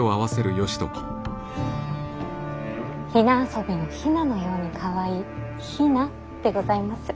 雛遊びの雛のようにかわいい比奈でございます。